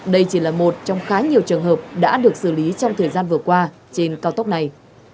đây chỉ là một trong khá nhiều trường hợp đã được xử lý trong thời gian vừa qua trên cao tốc này